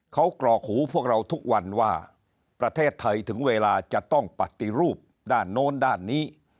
เขากรอกหูพวกเราทุกวันว่าประเทศไทยถึงเวลาจะต้องปฏิรูปด้านโน้นด้านนี้